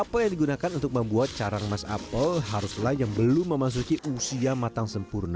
apel yang digunakan untuk membuat carang mas apel haruslah yang belum memasuki usia matang sempurna